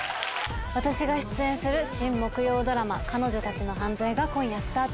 私が出演する新木曜ドラマ『彼女たちの犯罪』が今夜スタート。